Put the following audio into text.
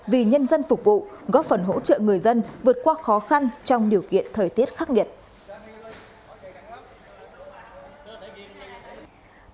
vì nhân dân phục vụ góp phần hỗ trợ người dân vượt qua khó khăn trong điều kiện thời tiết khắc nghiệt